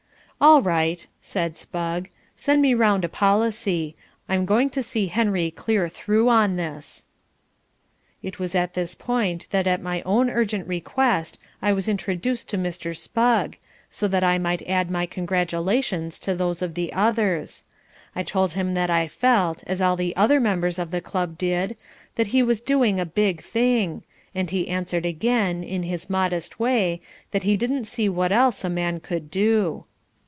"All right," said Spugg, "send me round a policy. I'm going to see Henry clear through on this." It was at this point that at my own urgent request I was introduced to Mr. Spugg, so that I might add my congratulations to those of the others. I told him that I felt, as all the other members of the club did, that he was doing a big thing, and he answered again, in his modest way, that he didn't see what else a man could do.